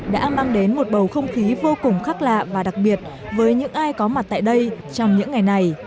đã mang đến một bầu không khí vô cùng khác lạ và đặc biệt với những ai có mặt tại đây trong những ngày này